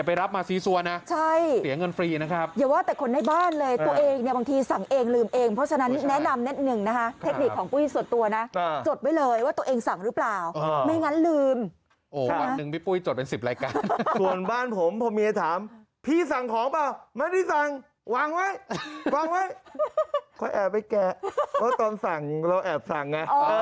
พิเศษไว้ก่อน